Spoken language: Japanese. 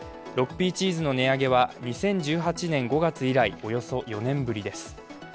６Ｐチーズの値上げは２０１８年５月以来、およそ４年ぶりです。